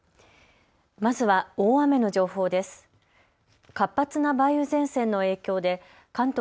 まずは大雨の情報です。